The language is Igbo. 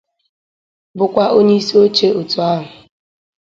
bụkwa onyeisioche òtù ahụ